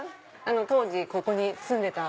当時ここに住んでいた。